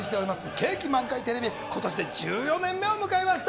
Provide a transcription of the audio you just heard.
景気満開テレビ、今年で１４年目を迎えました。